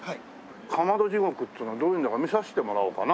かまど地獄っていうのはどういうのだか見させてもらおうかな。